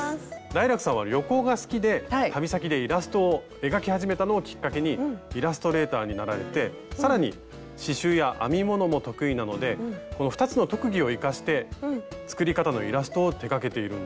ダイラクさんは旅行が好きで旅先でイラストを描き始めたのをきっかけにイラストレーターになられて更に刺しゅうや編み物も得意なのでこの２つの特技を生かして作り方のイラストを手がけているんですよね。